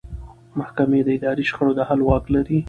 محکمې د اداري شخړو د حل واک لري.